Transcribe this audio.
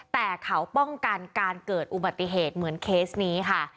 แต่เขาป้องกันการเกิดอุบัติเหตุเหมือนเคสนี้ค่ะ